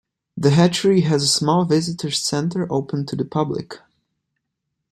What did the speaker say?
The hatchery has a small visitors' center, open to the public.